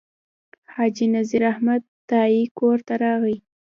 حاجي نذیر احمد تائي کور ته راغی.